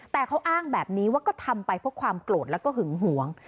แต่เขาอ้างแบบนี้ว่าก็ทำไปเพราะความโกรธแล้วก็หึงหวง